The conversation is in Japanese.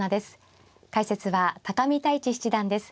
解説は見泰地七段です。